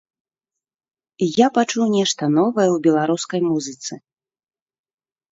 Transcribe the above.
Я пачуў нешта новае ў беларускай музыцы.